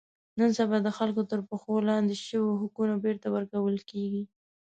نن سبا د خلکو تر پښو لاندې شوي حقوق بېرته ور کول کېږي.